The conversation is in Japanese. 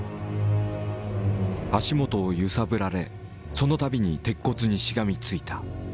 足元を揺さぶられそのたびに鉄骨にしがみついた。